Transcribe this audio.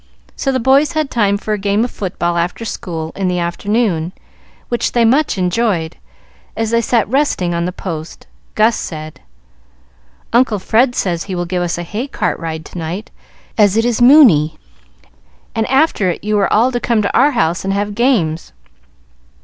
So the boys had time for a game of football after school in the afternoon, which they much enjoyed. As they sat resting on the posts, Gus said, "Uncle Fred says he will give us a hay cart ride to night, as it is moony, and after it you are all to come to our house and have games.